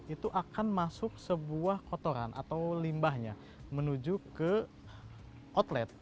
itu akan masuk sebuah kotoran atau limbahnya menuju ke outlet